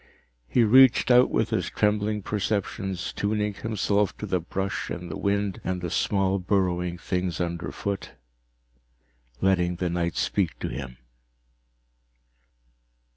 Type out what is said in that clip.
He reached out with his trembling perceptions, tuning himself to the brush and the wind and the small burrowing things underfoot, letting the night speak to him.